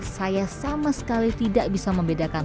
saya sama sekali tidak bisa membedakan